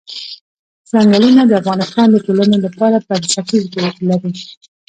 ځنګلونه د افغانستان د ټولنې لپاره بنسټيز رول لري.